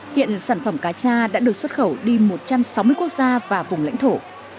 hiện sản phẩm cá cha đã được xuất khẩu đi một trăm sáu mươi quốc gia và vùng lãnh thổ